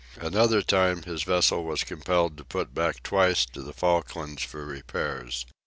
Another time his vessel was compelled to put back twice to the Falklands for repairs.